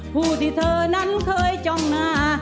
ผู้ที่เธอนั้นเคยจ้องหน้า